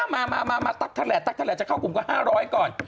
มาตั๊กแถลงตั๊กแลจะเข้ากลุ่มก็๕๐๐ก่อน